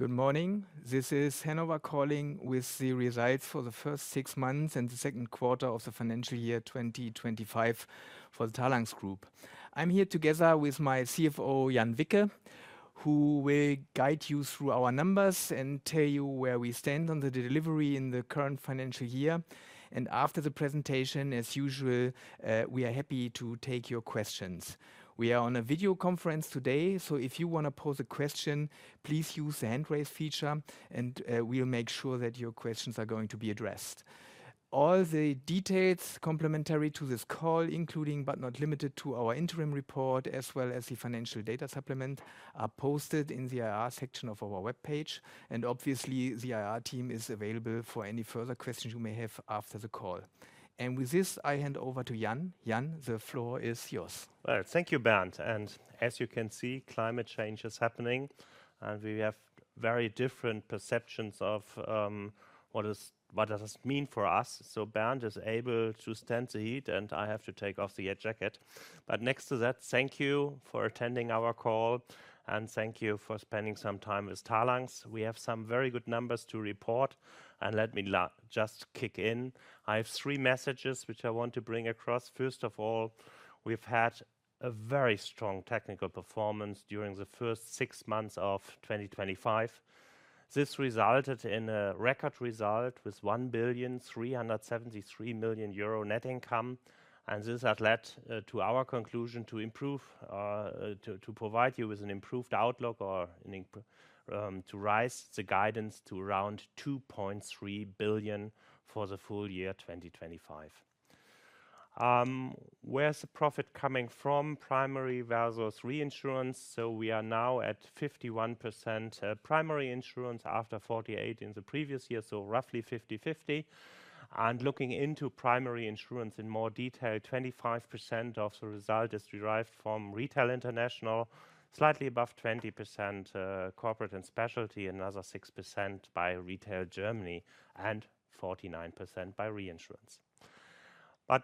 Good morning. This is Hannover calling with the results for the first six months and the second quarter of the financial year 2025 for the Talanx Group. I'm here together with my CFO, Jan Wicke, who will guide you through our numbers and tell you where we stand on the delivery in the current financial year. After the presentation, as usual, we are happy to take your questions. We are on a video conference today, so if you want to pose a question, please use the hand-raise feature and we'll make sure that your questions are going to be addressed. All the details complimentary to this call, including but not limited to our interim report as well as the financial data supplement, are posted in the section of our webpage. Obviously, the team is available for any further questions you may have after the call. With this, I hand over to Jan. Jan, the floor is yours. Thank you, Bernd. As you can see, climate change is happening and we have very different perceptions of what does this mean for us. Bernd is able to stand the heat and I have to take off the jacket. Next to that, thank you for attending our call and thank you for spending some time with Talanx. We have some very good numbers to report. Let me just kick in. I have three messages which I want to bring across. First of all, we've had a very strong technical performance during the first six months of 2025. This resulted in a record result with 1,373 million euro net income. This has led to our conclusion to improve, to provide you with an improved outlook or to raise the guidance to around 2.3 billion for the full year 2025. Where's the profit coming from? Primary versus Reinsurance. We are now at 51% primary insurance after 48% in the previous year, so roughly 50/50. Looking into Primary Insurance in more detail, 25% of the result is derived from Retail International, slightly above 20% Corporate & Specialty, and another 6% by Retail Germany and 49% by Reinsurance.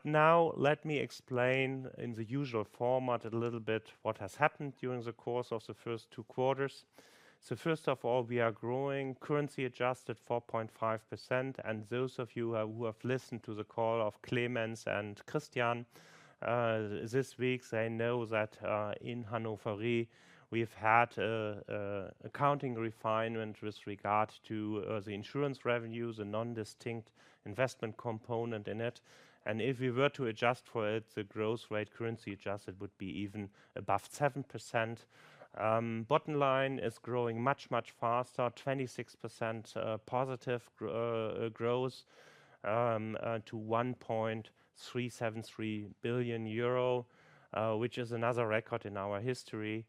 Now let me explain in the usual format a little bit what has happened during the course of the first two quarters. First of all, we are growing currency adjusted 4.5%. Those of you who have listened to the call of Clemens and Christian this week know that in Hannover we've had an accounting refinement with regard to the insurance revenues, a non-distinct investment component in it. If we were to adjust for it, the growth rate currency adjusted would be even above 7%. Bottom line is growing much, much faster. 26% positive growth to 1.373 billion euro, which is another record in our history.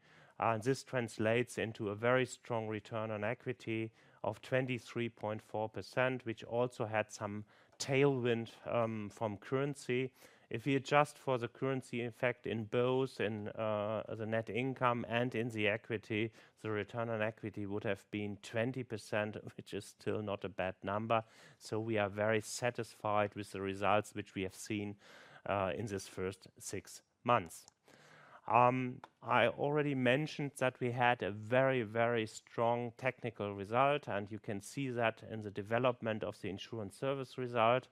This translates into a very strong return on equity of 23.4%, which also had some tailwind from currency. If you adjust for the currency, in fact, in both in the net income and in the equity, the return on equity would have been 20%, which is still not a bad number. We are very satisfied with the results which we have seen in this first six months. I already mentioned that we had a very, very strong technical result, and you can see that in the development of the insurance service result.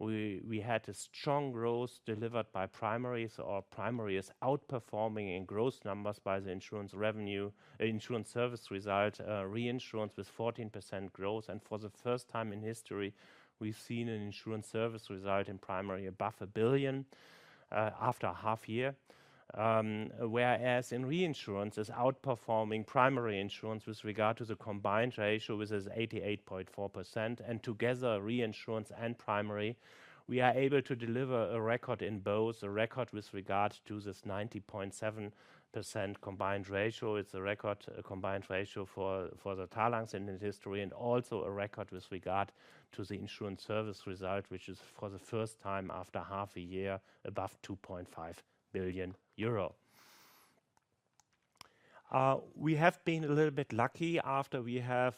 We had a strong growth delivered by primaries, or primary is outperforming in gross numbers by the insurance revenue, insurance service result, reinsurance with 14% growth. For the first time in history, we've seen an insurance service result in primary above 1 billion after a half year, whereas in Reinsurance is outperforming Primary Insurance with regard to the combined ratio, which is 88.4%. Together, reinsurance and primary, we are able to deliver a record in both, a record with regard to this 90.7% combined ratio. It's a record combined ratio for the Talanx in history and also a record with regard to the insurance service result, which is for the first time after half a year above 2.5 billion euro. We have been a little bit lucky after we have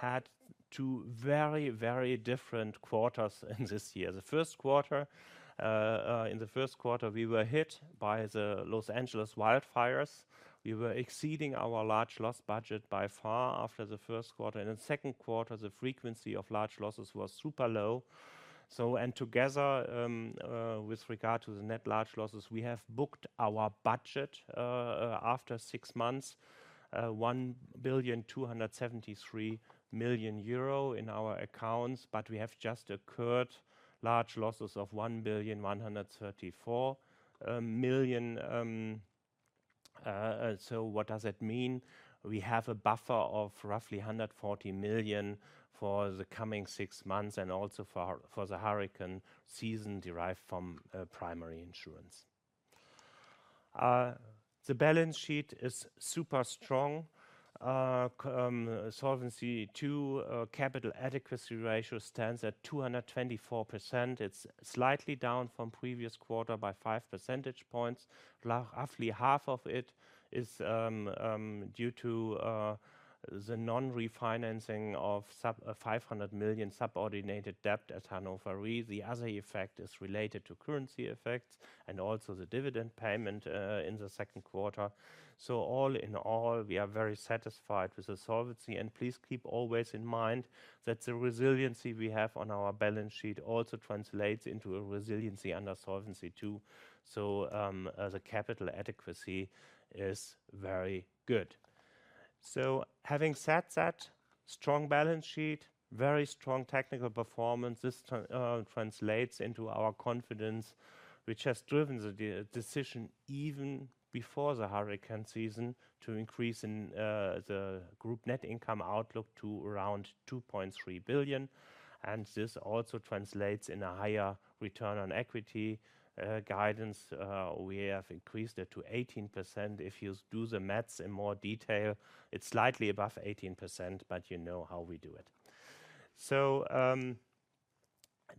had two very, very different quarters in this year. In the first quarter, we were hit by the Los Angeles wildfires. We were exceeding our large loss budget by far after the first quarter. In the second quarter, the frequency of large losses was super low. Together with regard to the net large losses, we have booked our budget after six months 1,273 million euro in our accounts. We have just occurred large losses of 1,134 million. What does that mean? We have a buffer of roughly 140 million for the coming six months and also for the hurricane season derived from primary insurance. The balance sheet is super strong. Solvency II capital adequacy ratio stands at 224%. It's slightly down from previous quarter by five percentage points. Roughly half of it is due to the non-refinancing of 500 million subordinated debt at Hannover Re. The other effect is related to currency effects and also the dividend payment in the second quarter. All in all, we are very satisfied with the solvency. Please keep always in mind that the resiliency we have on our balance sheet also translates into a resiliency under Solvency II. The capital adequacy is very good. Having said that, strong balance sheet, very strong technical performance, this translates into our confidence, which has driven the decision even before the hurricane season to increase in the group net income outlook to around 2.3 billion. This also translates in a higher return on equity guidance. We have increased it to 18%. If you do the maths in more detail, it's slightly above 18%. You know how we do it.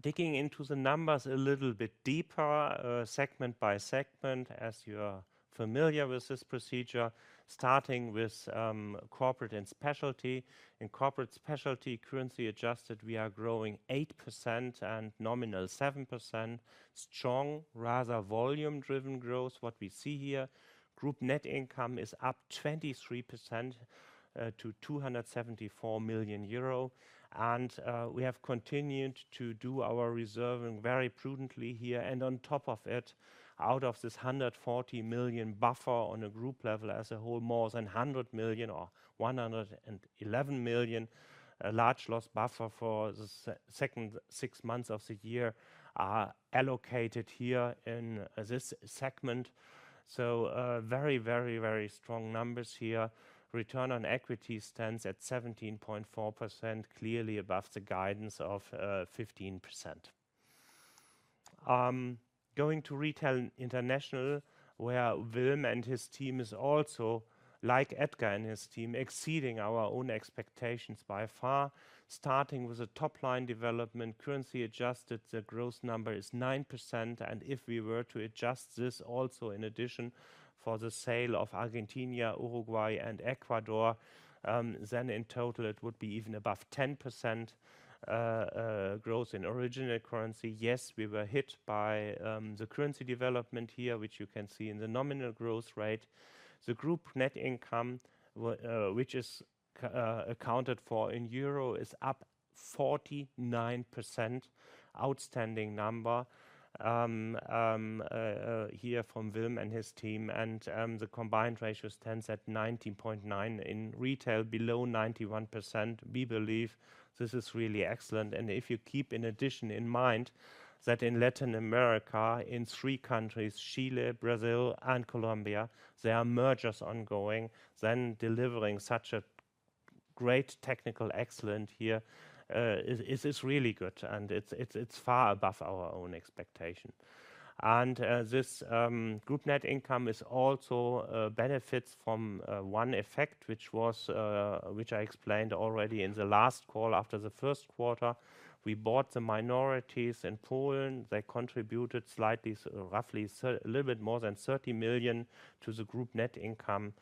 Digging into the numbers a little bit deeper, segment by segment, as you are familiar with this procedure, starting with Corporate & Specialty. In corporate specialty, currency adjusted, we are growing 8% and nominal 7%. Strong, rather volume-driven growth. What we see here, group net income is up 23% to 274 million euro. We have continued to do our reserving very prudently here. On top of it, out of this 140 million buffer on a group level as a whole, more than 100 million or 111 million large loss buffer for the second six months of the year are allocated here in this segment. Very, very, very strong numbers here. Return on equity stands at 17.4%, clearly above the guidance of 15%. Going to Retail International, where Wilm and his team is also, like Edgar and his team, exceeding our own expectations by far. Starting with the top line development, currency adjusted, the gross number is 9%. If we were to adjust this also in addition for the sale of Argentina, Uruguay, and Ecuador, then in total it would be even above 10% growth in original currency. Yes, we were hit by the currency development here, which you can see in the nominal growth rate. The group net income, which is accounted for in euro, is up 49%. Outstanding number here from Wilm and his team. The combined ratio stands at 90.9% in retail, below 91%. We believe this is really excellent. If you keep in addition in mind that in Latin America, in three countries, Chile, Brazil, and Colombia, there are mergers ongoing, delivering such a great technical excellence here is really good. It is far above our own expectation. This group net income also benefits from one effect, which I explained already in the last call after the first quarter. We bought the minorities in Poland. They contributed slightly, roughly a little bit more than 30 million to the group net income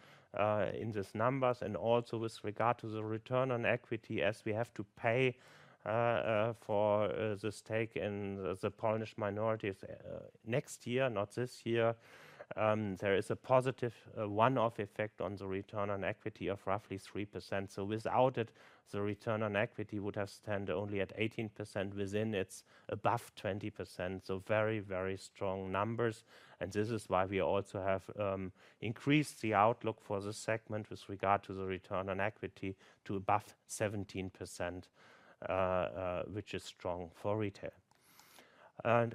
in these numbers. Also with regard to the return on equity, as we have to pay for the stake in the Polish minorities next year, not this year, there is a positive one-off effect on the return on equity of roughly 3%. Without it, the return on equity would have stand only at 18%, within it's above 20%. Very, very strong numbers. This is why we also have increased the outlook for the segment with regard to the return on equity to above 17%, which is strong for retail.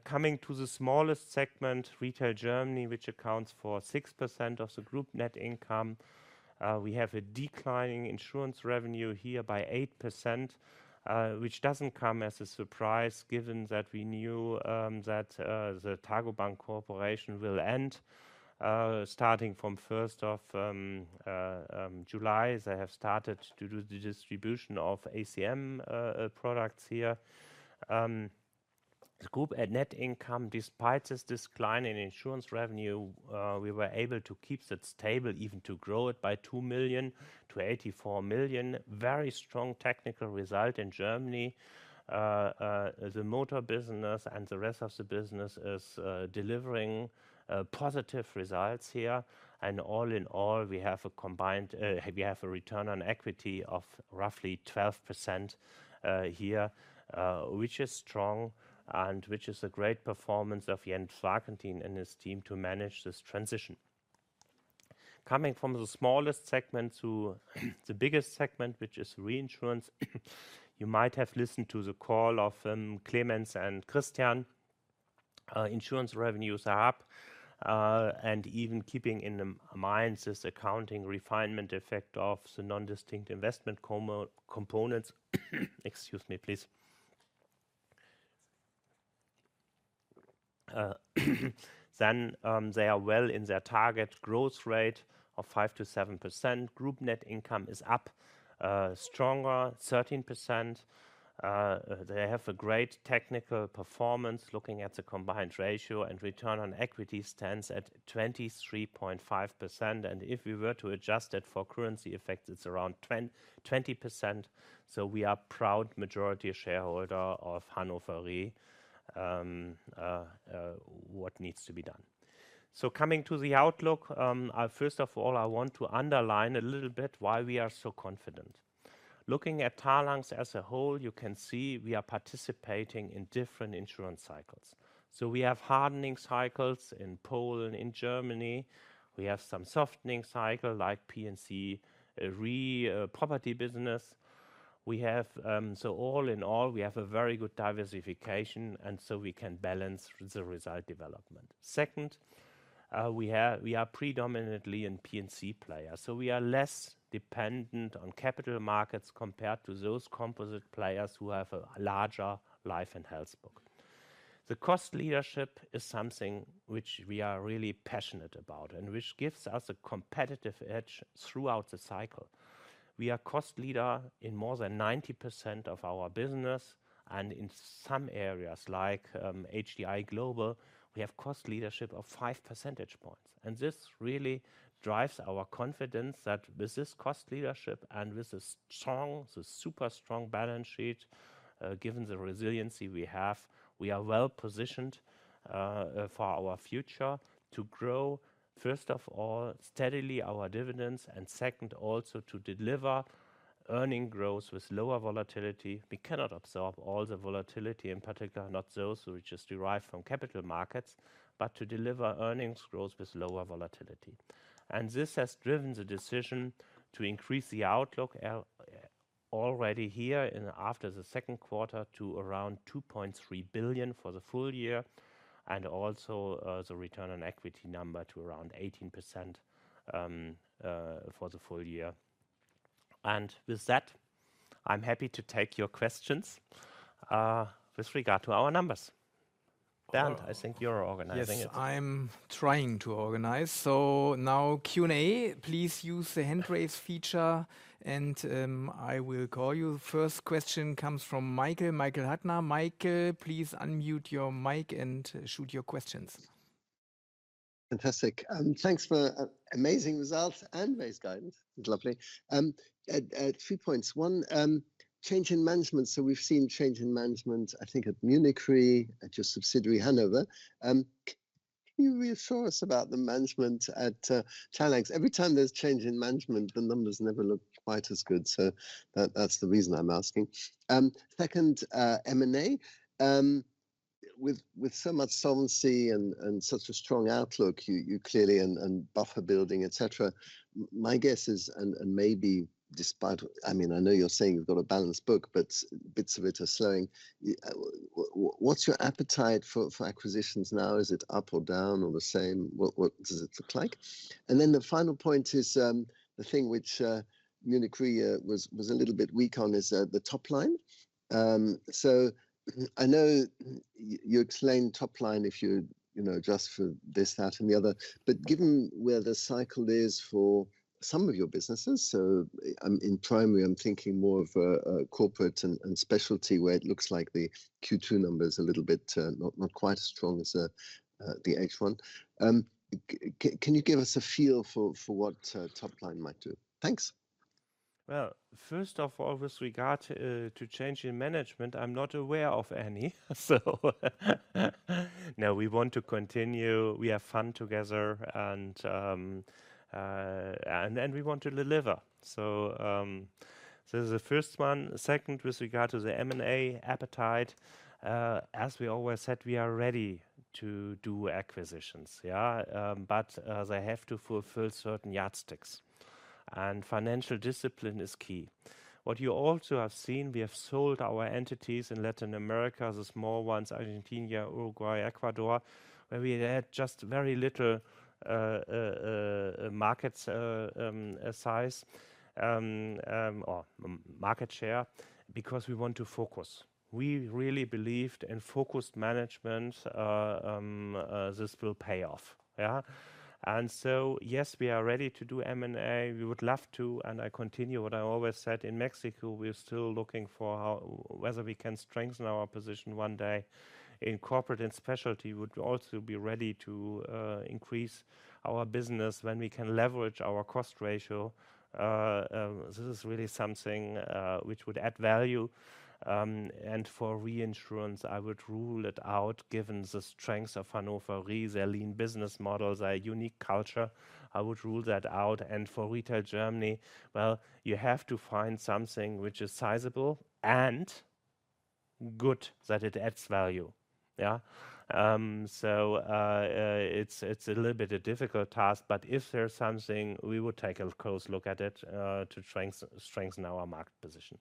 Coming to the smallest segment, Retail Germany, which accounts for 6% of the group net income, we have a declining insurance revenue here by 8%, which doesn't come as a surprise given that we knew that the Targobank Corporation will end starting from 1st of July. They have started to do the distribution of ACM products here. The group net income, despite this decline in insurance revenue, we were able to keep it stable, even to grow it by 2 million to 84 million. Very strong technical result in Germany. The motor business and the rest of the business is delivering positive results here. All in all, we have a return on equity of roughly 12% here, which is strong and which is a great performance of Jan Wicke and his team to manage this transition. Coming from the smallest segment to the biggest segment, which is Reinsurance, you might have listened to the call of Clemens and Christian. Insurance revenues are up and even keeping in mind this accounting refinement effect of the non-distinct investment components. Excuse me, please. They are well in their target growth rate of 5%-7%. Group net income is up stronger, 13%. They have a great technical performance. Looking at the combined ratio and return on equity stands at 23.5%. If we were to adjust it for currency effects, it's around 20%. We are a proud majority shareholder of Hannover Re. What needs to be done? Coming to the outlook, first of all, I want to underline a little bit why we are so confident. Looking at Talanx as a whole, you can see we are participating in different insurance cycles. We have hardening cycles in Poland, in Germany. We have some softening cycles like P&C, a re property business. All in all, we have a very good diversification and we can balance the result development. Second, we are predominantly in P&C players. We are less dependent on capital markets compared to those composite players who have a larger life and health book. The cost leadership is something which we are really passionate about and which gives us a competitive edge throughout the cycle. We are a cost leader in more than 90% of our business and in some areas like HDI Global, we have cost leadership of five percentage points. This really drives our confidence that with this cost leadership and with this strong, super strong balance sheet, given the resiliency we have, we are well positioned for our future to grow, first of all, steadily our dividends and second also to deliver earning growth with lower volatility. We cannot absorb all the volatility, in particular not those which are derived from capital markets, but to deliver earnings growth with lower volatility. This has driven the decision to increase the outlook already here after the second quarter to around 2.3 billion for the full year and also the return on equity number to around 18% for the full year. With that, I'm happy to take your questions with regard to our numbers. Bernd, I think you're organizing. Yes, I'm trying to organize. Now Q&A, please use the hand-raise feature and I will call you. The first question comes from Michael, Michael Huttner. Michael, please unmute your mic and shoot your questions. Fantastic. Thanks for amazing results and raised guidance. Lovely. A few points. One, change in management. We've seen change in management, I think at Munich Re, at your subsidiary Hannover. Can you reassure us about the management at Talanx? Every time there's change in management, the numbers never look quite as good. That's the reason I'm asking. Second, M&A. With so much solvency and such a strong outlook, you clearly, and buffer building, etc. My guess is, and maybe despite, I mean, I know you're saying you've got a balanced book, but bits of it are slowing. What's your appetite for acquisitions now? Is it up or down or the same? What does it look like? The final point is the thing which Munich Re was a little bit weak on is the top line. I know you explained top line if you adjust for this, that, and the other. Given where the cycle is for some of your businesses, in primary, I'm thinking more of a Corporate & Specialty where it looks like the Q2 number is a little bit not quite as strong as the H1. Can you give us a feel for what top line might do? Thanks. First of all, with regard to change in management, I'm not aware of any. We want to continue. We have fun together and we want to deliver. This is the first one. Second, with regard to the M&A appetite, as we always said, we are ready to do acquisitions, but they have to fulfill certain yardsticks. Financial discipline is key. What you also have seen, we have sold our entities in Latin America, the small ones, Argentina, Uruguay, Ecuador, where we had just very little market size or market share because we want to focus. We really believed in focused management. This will pay off. Yes, we are ready to do M&A. We would love to, and I continue what I always said, in Mexico, we're still looking for how whether we can strengthen our position one day. In corporate and specialty, we would also be ready to increase our business when we can leverage our cost ratio. This is really something which would add value. For Reinsurance, I would rule it out given the strengths of Hannover Re, their lean business model, their unique culture. I would rule that out. For Retail Germany, you have to find something which is sizable and good that it adds value. It's a little bit of a difficult task, but if there's something, we would take a close look at it to strengthen our market position.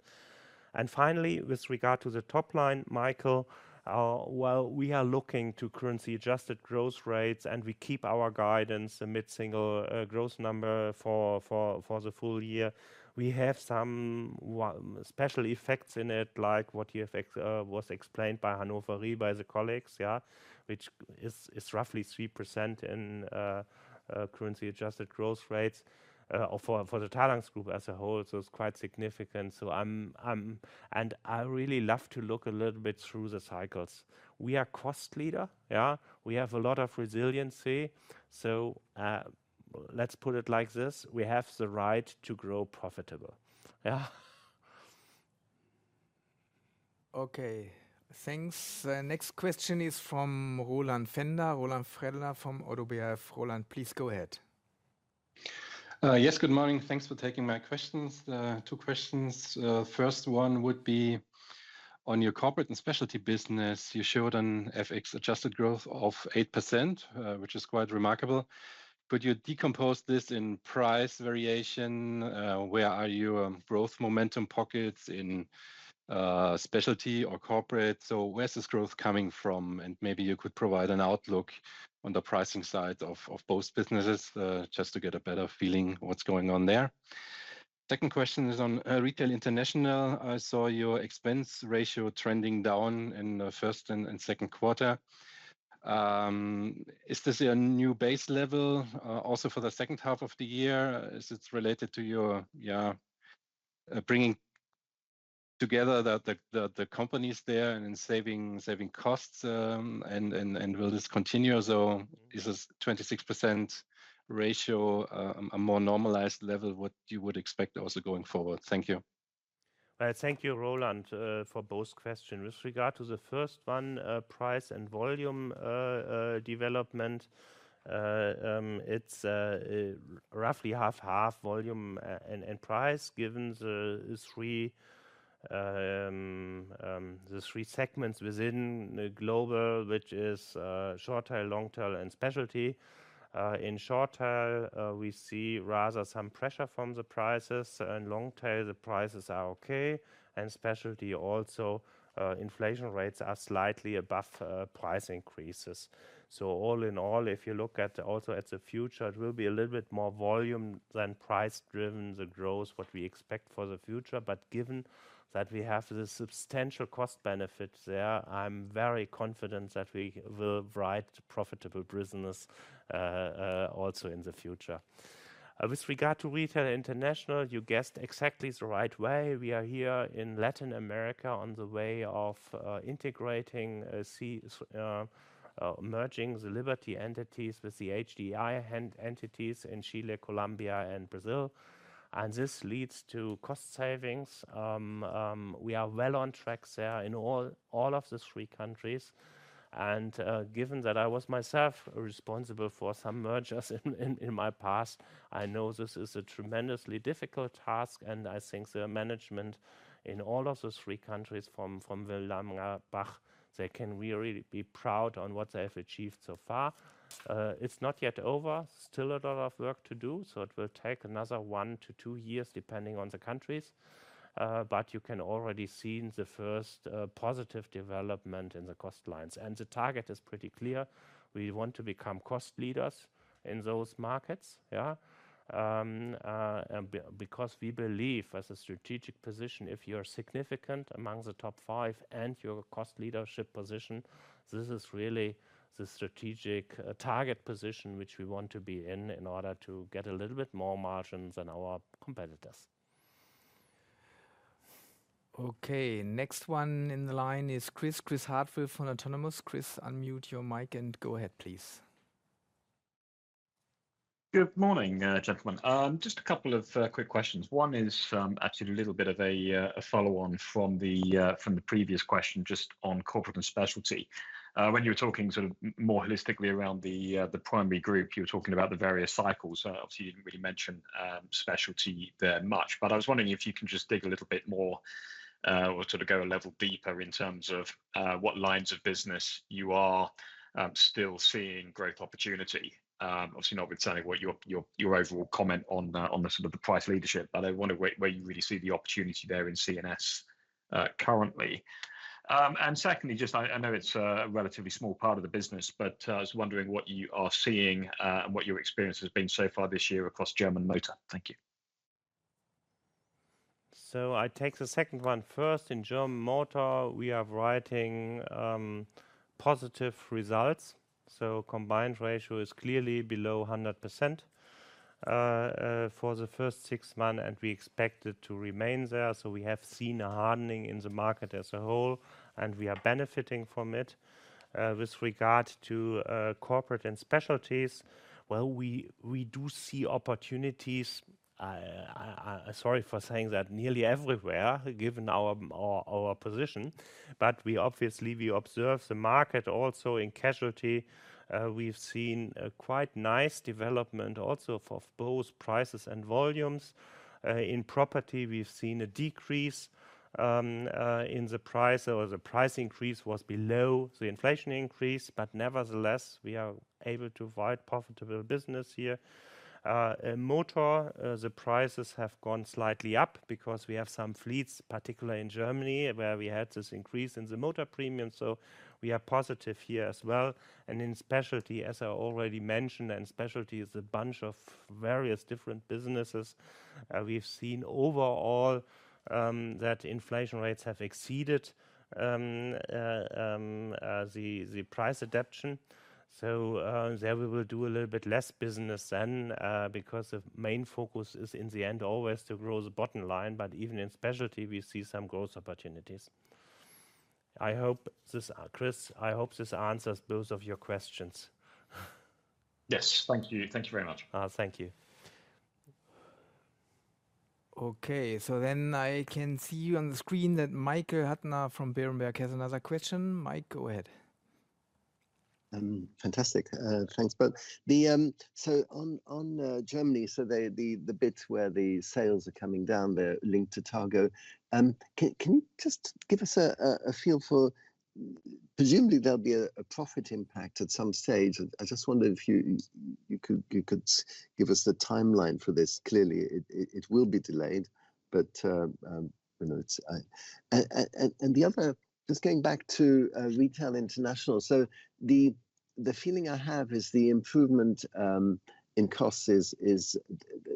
Finally, with regard to the top line, Michael, we are looking to currency adjusted growth rates and we keep our guidance amid single growth number for the full year. We have some special effects in it, like what was explained by Hannover Re, by the colleagues, which is roughly 3% in currency adjusted growth rates for the Talanx Group as a whole. It's quite significant. I really love to look a little bit through the cycles. We are a cost leader. We have a lot of resiliency. Let's put it like this. We have the right to grow profitable. Okay. Thanks. Next question is from Roland Pfänder. Roland Pfänder from ODDO BHF. Roland, please go ahead. Yes, good morning. Thanks for taking my questions. Two questions. First one would be on your Corporate & Specialty business. You showed an FX-adjusted growth of 8%, which is quite remarkable. Could you decompose this in price variation? Where are your growth momentum pockets in specialty or corporate? Where's this growth coming from? Maybe you could provide an outlook on the pricing side of both businesses just to get a better feeling of what's going on there. Second question is on Retail International. I saw your expense ratio trending down in the first and second quarter. Is this a new base level also for the second half of the year? Is it related to your bringing together the companies there and saving costs? Will this continue? Is this 26% ratio a more normalized level you would expect also going forward? Thank you. Thank you, Roland, for both questions. With regard to the first one, price and volume development, it's roughly half-half volume and price given the three segments within global, which is short tail, long tail, and specialty. In short tail, we see rather some pressure from the prices. In long tail, the prices are okay. In specialty also, inflation rates are slightly above price increases. All in all, if you look also at the future, it will be a little bit more volume than price driven, the growth, what we expect for the future. Given that we have the substantial cost benefits there, I'm very confident that we will write profitable business also in the future. With regard to Retail International, you guessed exactly the right way. We are here in Latin America on the way of integrating, merging the Liberty entities with the HDI entities in Chile, Colombia, and Brazil. This leads to cost savings. We are well on track there in all of the three countries. Given that I was myself responsible for some mergers in my past, I know this is a tremendously difficult task. I think the management in all of the three countries from Wilm Langenbach, they can really be proud on what they have achieved so far. It's not yet over. Still a lot of work to do. It will take another one to two years depending on the countries. You can already see the first positive development in the cost lines. The target is pretty clear. We want to become cost leaders in those markets because we believe as a strategic position, if you're significant among the top five and your cost leadership position, this is really the strategic target position which we want to be in in order to get a little bit more margin than our competitors. Okay. Next one in the line is Chris. Chris Hartwell from Autonomous. Chris, unmute your mic and go ahead, please. Good morning, gentlemen. Just a couple of quick questions. One is actually a little bit of a follow-on from the previous question just on Corporate & Specialty. When you were talking sort of more holistically around the primary group, you were talking about the various cycles. Obviously, you didn't really mention specialty that much. I was wondering if you can just dig a little bit more or sort of go a level deeper in terms of what lines of business you are still seeing growth opportunity. Obviously, notwithstanding what your overall comment on the sort of the price leadership, I wonder where you really see the opportunity there in C&S currently. Secondly, I know it's a relatively small part of the business, but I was wondering what you are seeing and what your experience has been so far this year across German Motor. Thank you. I take the second one first. In German Motor, we are writing positive results. The combined ratio is clearly below 100% for the first six months, and we expect it to remain there. We have seen a hardening in the market as a whole, and we are benefiting from it. With regard to corporate and specialties, we do see opportunities. Sorry for saying that nearly everywhere given our position, but we obviously observe the market also in casualty. We've seen quite nice development also for both prices and volumes. In property, we've seen a decrease in the price or the price increase was below the inflation increase, but nevertheless, we are able to write profitable business here. Motor, the prices have gone slightly up because we have some fleets, particularly in Germany, where we had this increase in the motor premium. We are positive here as well. In specialty, as I already mentioned, and specialty is a bunch of various different businesses, we've seen overall that inflation rates have exceeded the price adaption. There we will do a little bit less business then because the main focus is in the end always to grow the bottom line. Even in specialty, we see some growth opportunities. I hope this, Chris, I hope this answers both of your questions. Yes, thank you. Thank you very much. Thank you. Okay, I can see you on the screen that Michael Huttner from Berenberg has another question. Mike, go ahead. Fantastic. Thanks, both. On Germany, the bits where the sales are coming down, they're linked to TARGO. Can you just give us a feel for presumably there'll be a profit impact at some stage? I just wonder if you could give us a timeline for this. Clearly, it will be delayed, but I don't know. Going back to Retail International, the feeling I have is the improvement in costs is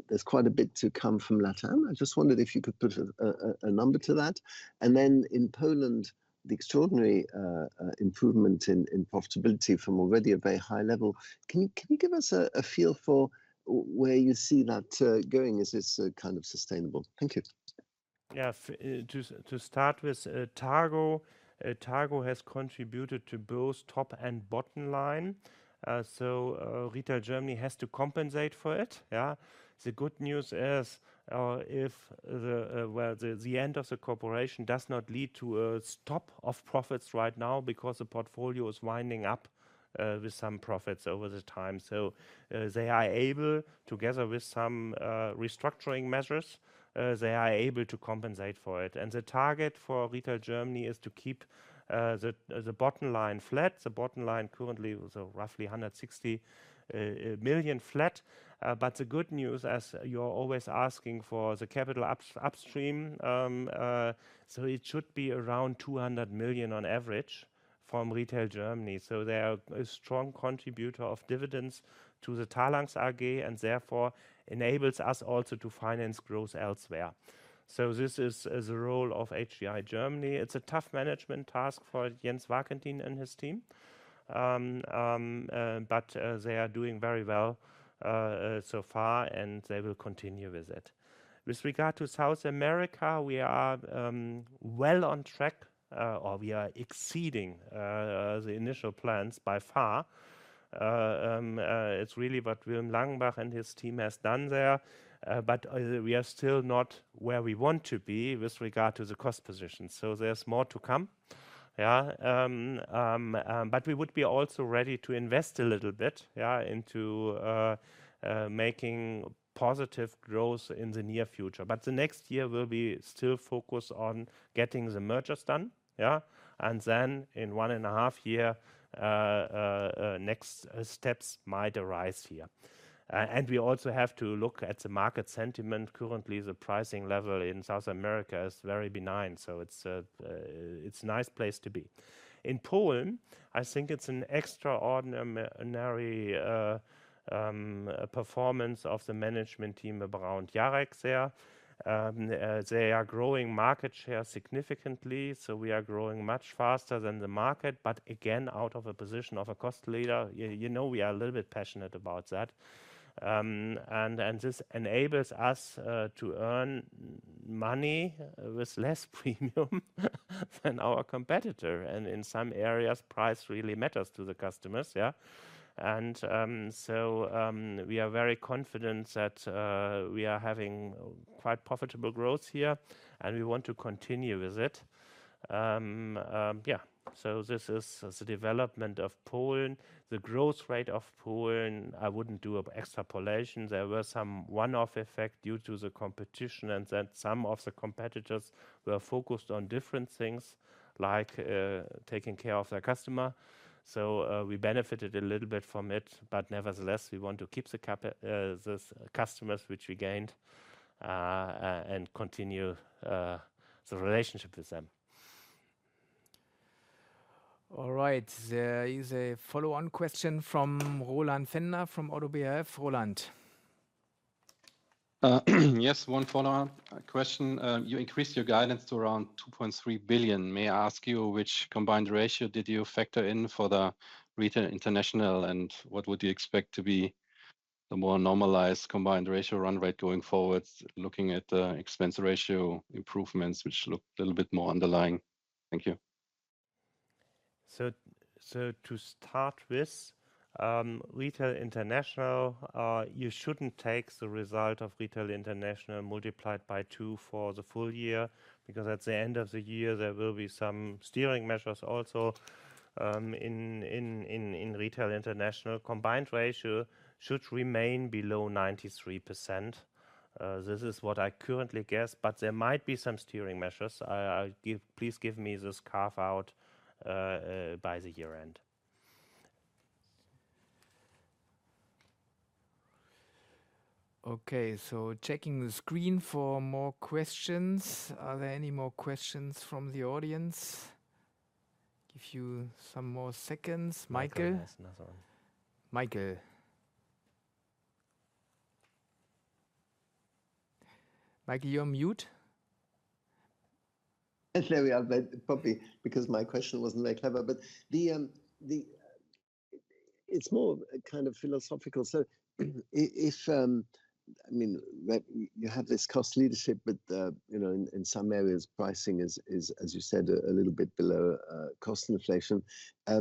there's quite a bit to come from LATAM. I just wondered if you could put a number to that. In Poland, the extraordinary improvement in profitability from already a very high level, can you give us a feel for where you see that going? Is this kind of sustainable? Thank you. Yeah, to start with TARGO, TARGO has contributed to both top and bottom line. Retail Germany has to compensate for it. The good news is if the end of the cooperation does not lead to a stop of profits right now because the portfolio is winding up with some profits over the time. They are able, together with some restructuring measures, to compensate for it. The target for Retail Germany is to keep the bottom line flat. The bottom line currently is roughly 160 million flat. The good news, as you're always asking for the capital upstream, is it should be around 200 million on average from Retail Germany. They are a strong contributor of dividends to Talanx AG and therefore enable us also to finance growth elsewhere. This is the role of HDI Germany. It's a tough management task for Jens Wagentin and his team. They are doing very well so far and they will continue with it. With regard to Latin America, we are well on track or we are exceeding the initial plans by far. It's really what Wilm Langenbach and his team have done there. We are still not where we want to be with regard to the cost position. There is more to come. We would be also ready to invest a little bit into making positive growth in the near future. The next year will be still focused on getting the mergers done. In one and a half years, next steps might arise here. We also have to look at the market sentiment. Currently, the pricing level in Latin America is very benign. It's a nice place to be. In Poland, I think it's an extraordinary performance of the management team around Jarek there. They are growing market share significantly. We are growing much faster than the market. Again, out of a position of a cost leader, you know we are a little bit passionate about that. This enables us to earn money with less premium than our competitor. In some areas, price really matters to the customers. We are very confident that we are having quite profitable growth here and we want to continue with it. This is the development of Poland. The growth rate of Poland, I wouldn't do extrapolation. There was some one-off effect due to the competition and then some of the competitors were focused on different things like taking care of their customer. We benefited a little bit from it, but nevertheless, we want to keep the customers which we gained and continue the relationship with them. All right. There is a follow-on question from Roland Pfänder from ODDO BHF. Roland. Yes, one follow-on question. You increased your guidance to around 2.3 billion. May I ask you which combined ratio did you factor in for the Retail International and what would you expect to be the more normalized combined ratio run rate going forward, looking at the expense ratio improvements which look a little bit more underlying? Thank you. To start with, Retail International, you shouldn't take the result of Retail International multiplied by two for the full year because at the end of the year, there will be some steering measures also in Retail International. Combined ratio should remain below 93%. This is what I currently guess, but there might be some steering measures. Please give me this carve out by the year end. Okay, checking the screen for more questions. Are there any more questions from the audience? Give you some more seconds. Michael? Yes, sorry. Michael. Michael, you're mute. Sorry, probably because my question wasn't very clever, but it's more kind of philosophical. If I mean you have this cost leadership, but in some areas, pricing is, as you said, a little bit below cost inflation. I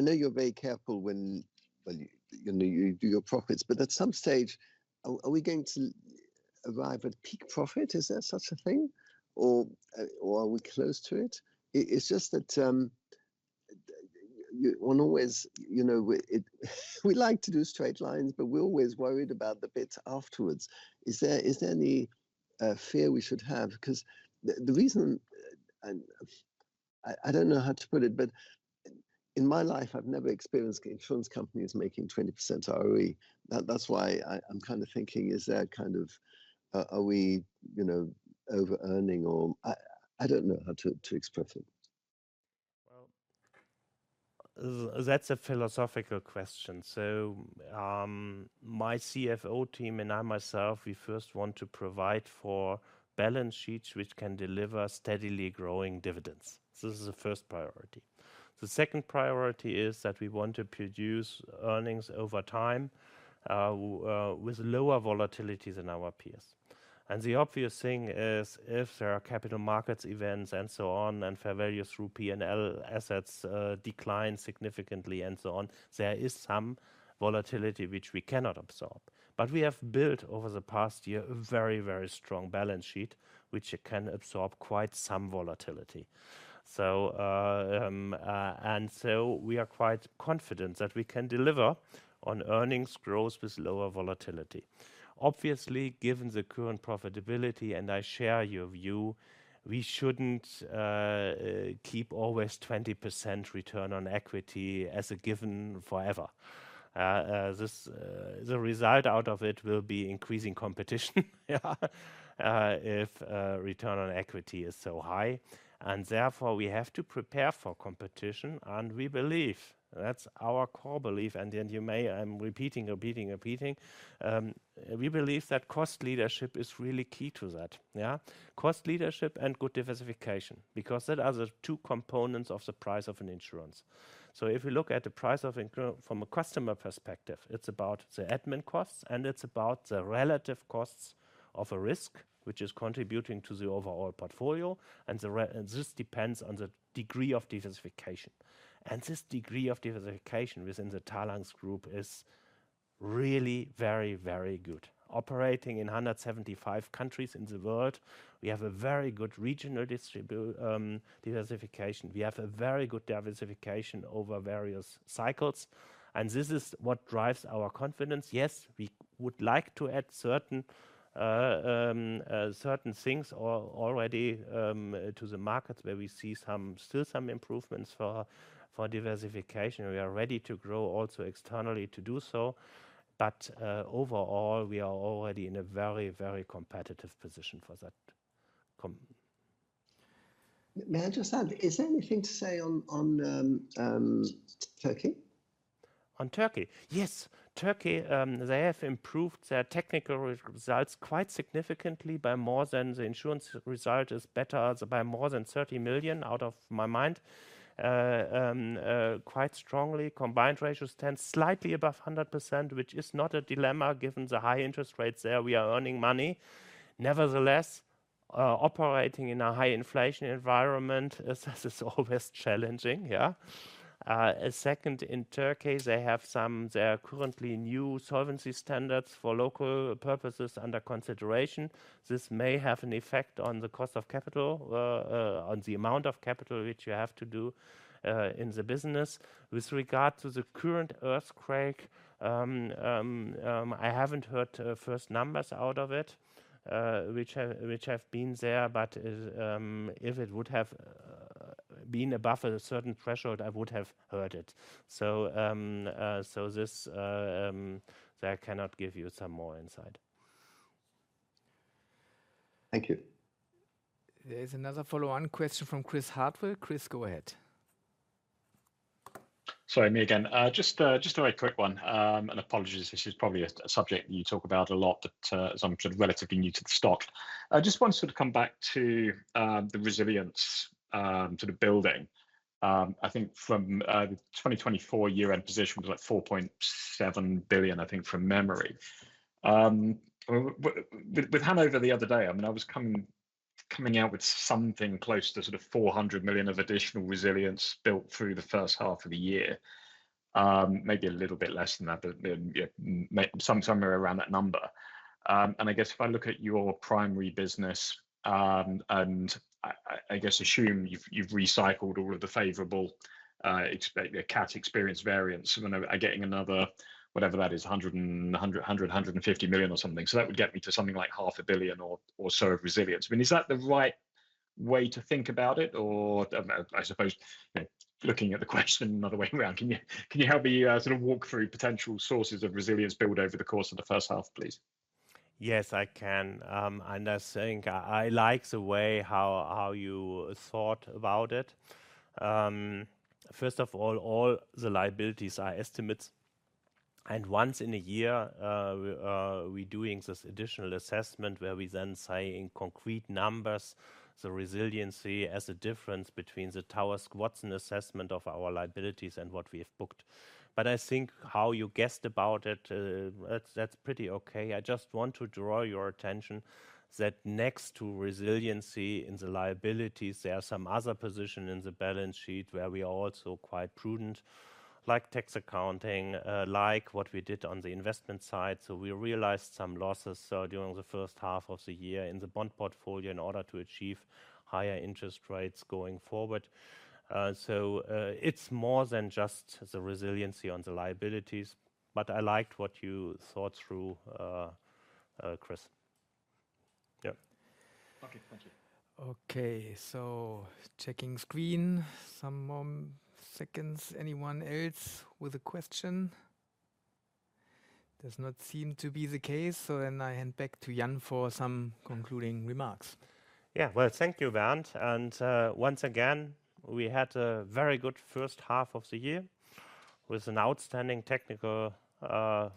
know you're very careful when you do your profits, but at some stage, are we going to arrive at peak profit? Is there such a thing or are we close to it? It's just that one always, you know, we like to do straight lines, but we're always worried about the bits afterwards. Is there any fear we should have? The reason, and I don't know how to put it, but in my life, I've never experienced insurance companies making 20% ROE. That's why I'm kind of thinking, is there kind of, are we, you know, over-earning or I don't know how to express it. That's a philosophical question. My CFO team and I, myself, we first want to provide for balance sheets which can deliver steadily growing dividends. This is the first priority. The second priority is that we want to produce earnings over time with lower volatility than our peers. The obvious thing is if there are capital markets events and so on, and fair value through P&L assets decline significantly and so on, there is some volatility which we cannot absorb. We have built over the past year a very, very strong balance sheet which can absorb quite some volatility. We are quite confident that we can deliver on earnings growth with lower volatility. Obviously, given the current profitability, and I share your view, we shouldn't keep always 20% return on equity as a given forever. The result out of it will be increasing competition if return on equity is so high. Therefore, we have to prepare for competition. We believe that's our core belief. You may, I'm repeating, repeating, repeating. We believe that cost leadership is really key to that. Cost leadership and good diversification because those are the two components of the price of an insurance. If you look at the price of an insurance from a customer perspective, it's about the admin costs and it's about the relative costs of a risk which is contributing to the overall portfolio. This depends on the degree of diversification. This degree of diversification within the Talanx Group is really very, very good. Operating in 175 countries in the world, we have a very good regional diversification. We have a very good diversification over various cycles. This is what drives our confidence. Yes, we would like to add certain things already to the markets where we see still some improvements for diversification. We are ready to grow also externally to do so. Overall, we are already in a very, very competitive position for that. May I just add, is there anything to say on Turkey? On Turkey? Yes. Turkey, they have improved their technical results quite significantly by more than the insurance result is better by more than 30 million out of my mind. Quite strongly. Combined ratio stands slightly above 100%, which is not a dilemma given the high interest rates there. We are earning money. Nevertheless, operating in a high inflation environment, this is always challenging. Second, in Turkey, they have some currently new solvency standards for local purposes under consideration. This may have an effect on the cost of capital, on the amount of capital which you have to do in the business. With regard to the current earthquake, I haven't heard first numbers out of it, which have been there. If it would have been above a certain threshold, I would have heard it. I cannot give you some more insight. Thank you. There's another follow-on question from Chris Hartwell. Chris, go ahead. Sorry, me again. Just a very quick one. Apologies, this is probably a subject you talk about a lot, but as I'm sort of relatively new to the stock, I just want to sort of come back to the resilience sort of building. I think from the 2024 year-end position, it was like 4.7 billion, I think, from memory. With Hannover Re the other day, I was coming out with something close to 400 million of additional resilience built through the first half of the year, maybe a little bit less than that, but somewhere around that number. If I look at your primary business and assume you've recycled all of the favorable cat experience variants, I'm getting another, whatever that is, 100 million, 150 million or something. That would get me to something like 500 million or so of resilience. Is that the right way to think about it? Looking at the question another way, can you help me walk through potential sources of resilience build over the course of the first half, please? Yes, I can. I think I like the way how you thought about it. First of all, all the liabilities are estimates. Once in a year, we're doing this additional assessment where we then say in concrete numbers, the resiliency as a difference between the tower squats and assessment of our liabilities and what we have booked. I think how you guessed about it, that's pretty okay. I just want to draw your attention that next to resiliency in the liabilities, there are some other positions in the balance sheet where we are also quite prudent, like tax accounting, like what we did on the investment side. We realized some losses during the first half of the year in the bond portfolio in order to achieve higher interest rates going forward. It is more than just the resiliency on the liabilities. I liked what you thought through, Chris. Yeah. Okay, thank you. Okay, checking screen, some more seconds. Anyone else with a question? Does not seem to be the case. I hand back to Jan for some concluding remarks. Thank you, Bernd. Once again, we had a very good first half of the year with an outstanding technical,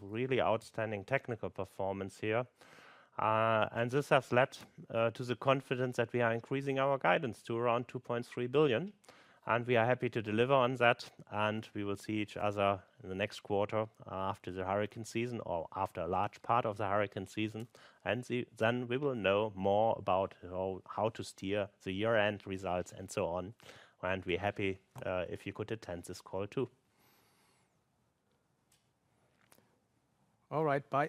really outstanding technical performance here. This has led to the confidence that we are increasing our guidance to around 2.3 billion. We are happy to deliver on that. We will see each other in the next quarter after the hurricane season or after a large part of the hurricane season. Then we will know more about how to steer the year-end results and so on. We're happy if you could attend this call too. All right.